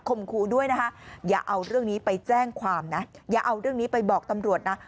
ครูด้วยนะคะอย่าเอาเรื่องนี้ไปแจ้งความนะอย่าเอาเรื่องนี้ไปบอกตำรวจนะ